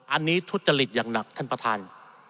อันนี้ทุจริตอย่างหนักท่านประธาน